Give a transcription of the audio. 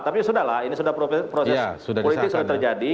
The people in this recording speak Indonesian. tapi sudah lah ini sudah proses politik sudah terjadi